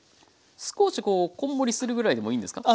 少しこうこんもりするぐらいでもいいんですか。